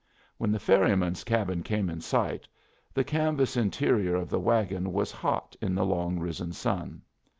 When the ferryman's cabin came in sight, the canvas interior of the wagon was hot in the long risen sun.